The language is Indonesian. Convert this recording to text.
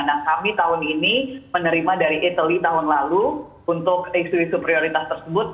nah kami tahun ini menerima dari etaly tahun lalu untuk isu isu prioritas tersebut